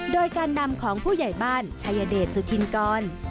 โดยการนำของผู้ใหญ่บ้านชายเดชสุธินกร